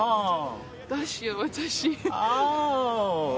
どうしよう、私。